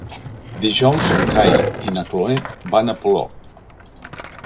Dijous en Cai i na Cloè van a Polop.